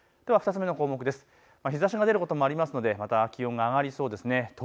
２つ目の項目、日ざしが出ることもありますので、気温が上がりそうです。